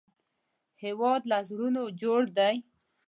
هېواد له زړونو جوړ دی